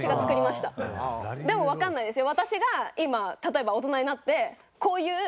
でもわかんないですよ。